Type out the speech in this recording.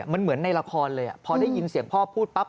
มันเหมือนในละครเลยพอได้ยินเสียงพ่อพูดปั๊บ